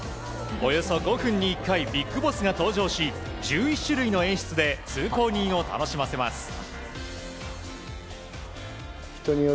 およそ５分に１回ビッグボスが登場し１１種類の演出で通行人を楽しませます。